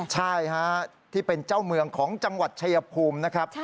ใช่ฮะที่เป็นเจ้าเมืองของจังหวัดชายภูมินะครับ